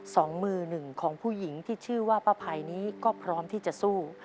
สองมือหนึ่งของผู้หญิงที่ชื่อว่าป้าภัยนี้ก็พร้อมที่จะสู้